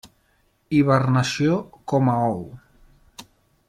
Hibernació com a ou.